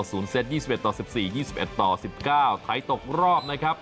เซต๒๑ต่อ๑๔๒๑ต่อ๑๙ถ่ายตกรอบนะครับ